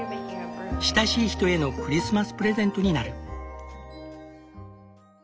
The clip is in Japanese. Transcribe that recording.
親しい人へのクリスマスプレゼントになる。